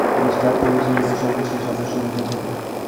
ইষ্ট-অর্থে বিশেষ উপাসকের বিশেষ আদর্শ বুঝিয়ে থাকে।